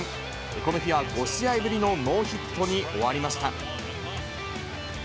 この日は５試合ぶりのノーヒットに終わりました。